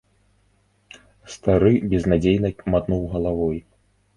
Стары безнадзейна матнуў галавой.